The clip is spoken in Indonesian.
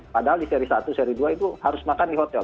padahal di seri satu seri dua itu harus makan di hotel